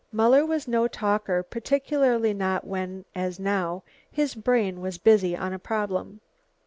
Muller was no talker, particularly not when, as now, his brain was busy on a problem.